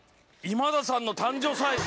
「今田さんの誕生祭」。